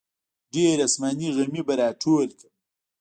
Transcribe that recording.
ډېر اسماني غمي به راټول کړم.